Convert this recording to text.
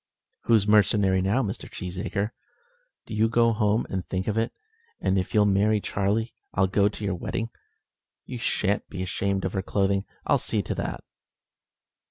"Who's mercenary now, Mr. Cheesacre? Do you go home and think of it; and if you'll marry Charlie, I'll go to your wedding. You shan't be ashamed of her clothing. I'll see to that."